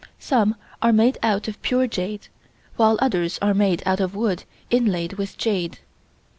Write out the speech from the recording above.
Some are made out of pure jade, while others are made out of wood inlaid with jade.